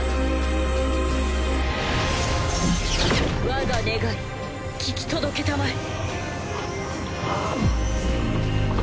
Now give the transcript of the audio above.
わが願い聞き届けたまえ！